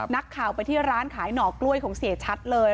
นักข่าวไปที่ร้านขายหน่อกล้วยของเสียชัดเลย